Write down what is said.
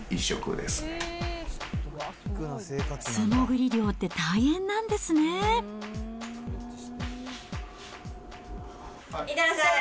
素潜り漁って大変なんですねいってらっしゃい。